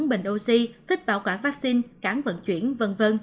bình oxy tích bảo quản vaccine cán vận chuyển v v